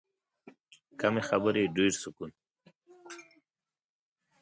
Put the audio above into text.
کمې خبرې، ډېر سکون.